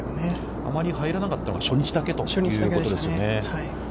あまり入らなかったのは初日だけということですね。